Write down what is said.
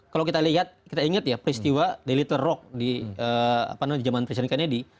kalau kita lihat kita ingat ya peristiwa delitter rock di zaman presiden kennedy